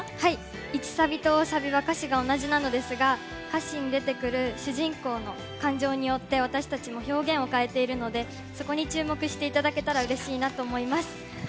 １サビと２サビは歌詞が一緒なのですが歌詞に出てくる主人公の感情によって私たちも表現を変えているのでそこに注目していただけたらうれしいです。